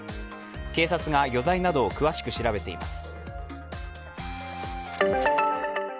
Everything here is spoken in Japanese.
警察が余罪などを詳しく調べています。